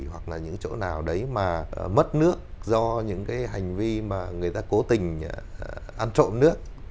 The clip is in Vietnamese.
hoặc là những chỗ nào đấy mà mất nước do những cái hành vi mà người ta cố tình ăn trộm nước